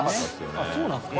あっそうなんですか？